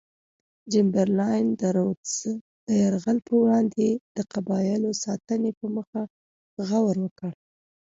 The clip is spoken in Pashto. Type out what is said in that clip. چمبرلاین د رودز د یرغل پر وړاندې د قبایلو ساتنې په موخه غور وکړي.